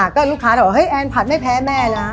ก็ลูกค้าถามว่าแอ่นผัดไม่แพ้แม่ละ